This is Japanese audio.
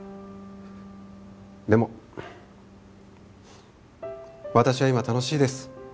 でも私は今楽しいです。